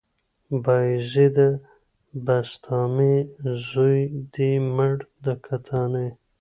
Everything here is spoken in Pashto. بايزيده بسطامي، زوى دې مړ د کتاني